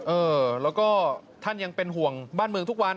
เออแล้วก็ท่านยังเป็นห่วงบ้านเมืองทุกวัน